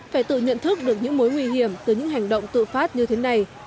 phải tự nhận thức được những mối nguy hiểm từ những hành động tự phát như thế này